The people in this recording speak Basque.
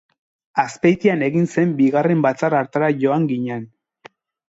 Azpeitian egin zen bigarren batzar hartara joan ginen.